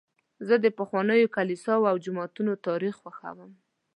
زه د پخوانیو کلیساوو او جوماتونو تاریخ خوښوم.